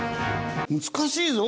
難しいぞ！